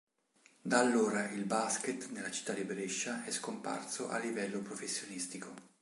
Da allora il Basket nella città di Brescia è scomparso a livello professionistico.